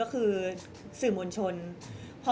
ก็ต้องฝากพี่สื่อมวลชนในการติดตามเนี่ยแหละค่ะ